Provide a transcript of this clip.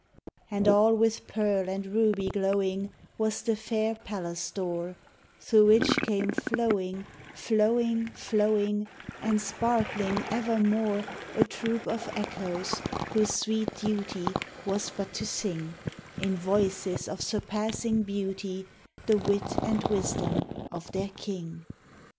And all with pearl and ruby glowing Was the fair palace door, Through which came flowing, flowing, flowing, And sparkling evermore, A troop of Echoes, whose sweet duty Was but to sing, In voices of surpassing beauty, The wit and wisdom of their king.